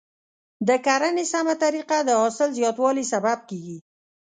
د کرنې سمه طریقه د حاصل زیاتوالي سبب کیږي.